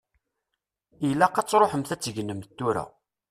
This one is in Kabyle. Ilaq ad tṛuḥemt ad tegnemt tura.